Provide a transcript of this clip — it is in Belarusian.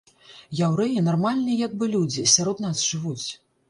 Яўрэі нармальныя як бы людзі, сярод нас жывуць.